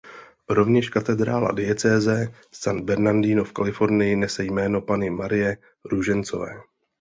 Rovněž katedrála diecéze San Bernardino v Kalifornii nese jméno Panny Marie Růžencové.